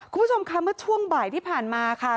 คุณผู้ชมค่ะเมื่อช่วงบ่ายที่ผ่านมาค่ะ